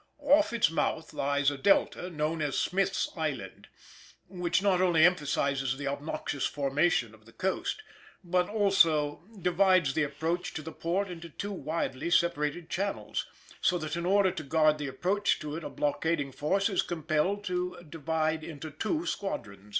Off its mouth lies a delta, known as Smith's Island, which not only emphasises the obnoxious formation of the coast, but also divides the approach to the port into two widely separated channels, so that in order to guard the approach to it a blockading force is compelled to divide into two squadrons.